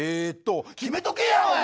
決めとけやおい！